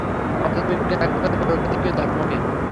পদার্থবিজ্ঞান ব্যাখ্যা করে প্রকৃতির ধর্মকে।